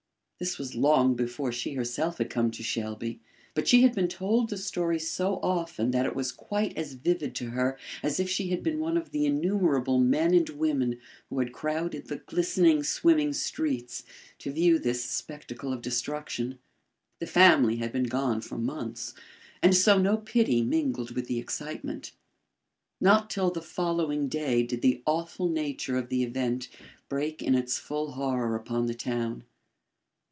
This was long before she herself had come to Shelby; but she had been told the story so often that it was quite as vivid to her as if she had been one of the innumerable men and women who had crowded the glistening, swimming streets to view this spectacle of destruction. The family had been gone for months, and so no pity mingled with the excitement. Not till the following day did the awful nature of the event break in its full horror upon the town.